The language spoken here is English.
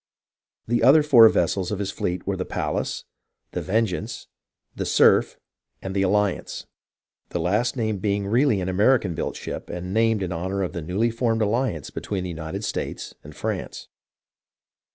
The other four vessels of his fleet were the Pallas, the Vengeajice, the Cerf, and the Alliance, the last named being really an American built ship and named in honour of the newly formed alliance between the United States and France.